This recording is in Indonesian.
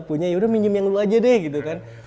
punya yaudah minjem yang lu aja deh gitu kan